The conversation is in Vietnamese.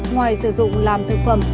ngoài sử dụng làm thực phẩm